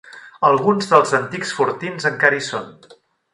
Alguns dels antics fortins encara hi són.